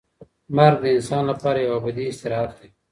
مرګ د انسان لپاره یو ابدي استراحت دی.